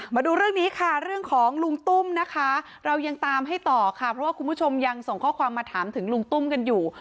มาดูเรื่องนี้ค่ะเรื่องของลุงตุ้มนะคะเรายังตามให้ต่อค่ะเพราะว่าคุณผู้ชมยังส่งข้อความมาถามถึงลุงตุ้มกันอยู่